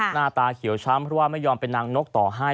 หน้าตาเขียวช้ำเพราะว่าไม่ยอมเป็นนางนกต่อให้